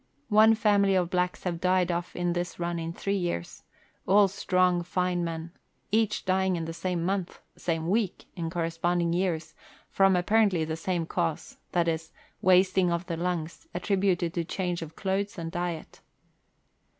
One family of blacks have died off on this run in three years all strong, fine men ; each dying in the same month, same week, in corresponding years, from apparently the same cause, viz., wasting of the lungs, attributed to change of clothes and diet.